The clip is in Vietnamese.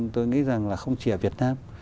tôi nghĩ rằng là không chỉ ở việt nam